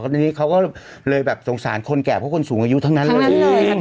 ทีนี้เขาก็เลยแบบสงสารคนแก่เพราะคนสูงอายุทั้งนั้นเลย